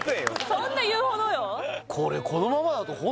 そんな言うほどよねえ